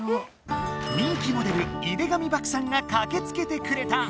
人気モデル井手上漠さんがかけつけてくれた！